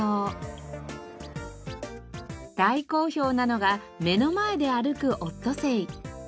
大好評なのが目の前で歩くオットセイ。